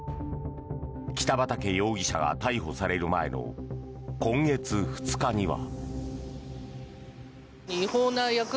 北畠容疑者が逮捕される前の今月２日には。